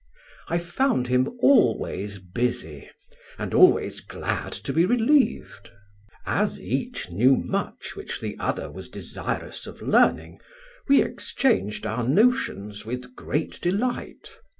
I found him always busy, and always glad to be relieved. As each knew much which the other was desirous of learning, we exchanged our notions with great delight.